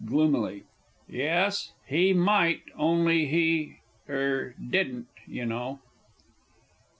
(gloomily). Yes, he might only, he er didn't, you know!